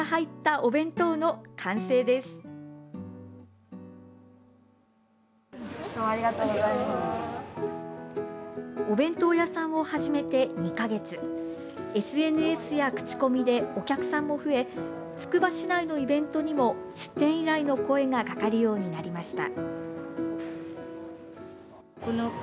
お弁当屋さんを始めて２か月ＳＮＳや口コミでお客さんも増えつくば市内のイベントにも出店依頼の声がかかるようになりました。